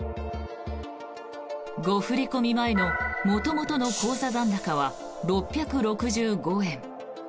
誤振り込み前の元々の口座残高は６６５円。